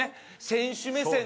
選手目線で。